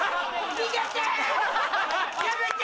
逃げて！